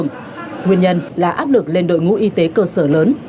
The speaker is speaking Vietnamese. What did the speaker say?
nguyên nhân là áp lực lên đội ngũ y tế cơ sở lớn